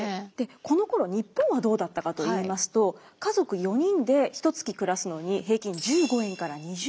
このころ日本はどうだったかといいますと家族４人でひとつき暮らすのに平均１５円から２０円あれば生活できました。